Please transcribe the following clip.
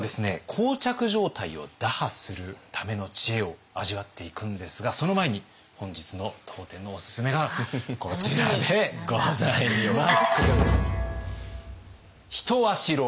膠着状態を打破するための知恵を味わっていくんですがその前に本日の当店のおすすめがこちらでございます。